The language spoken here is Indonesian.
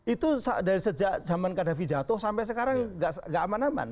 itu dari sejak zaman kadafi jatuh sampai sekarang gak aman aman